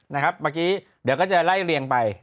เมื่อกี้เดี๋ยวก็จะไล่เรียงไป